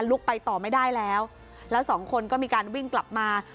ไปต่อไม่ได้แล้วแล้วสองคนก็มีการวิ่งกลับมา